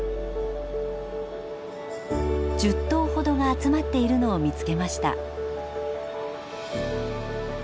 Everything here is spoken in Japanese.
１０頭ほどが集まっているのを見つけました。